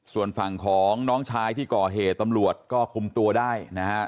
ส่วนฝั่งของน้องชายที่ก่อเหตุตำรวจก็คุมตัวได้นะฮะ